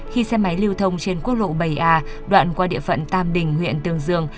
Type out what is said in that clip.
khi xe máy lưu thông trên quốc lộ bảy a đoạn qua địa phận tam đình huyện tương dương